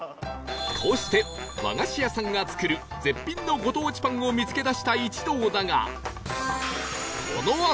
こうして和菓子屋さんが作る絶品のご当地パンを見つけ出した一同だが